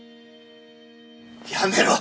やめろ！